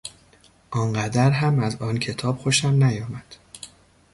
آنقدر هم از آن کتاب خوشم نیامد.